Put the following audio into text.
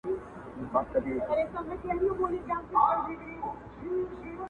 زه چي وګرځمه ځان کي جهان وینم,